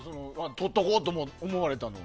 とっておこうと思われたのは。